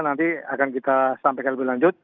nanti akan kita sampaikan lebih lanjut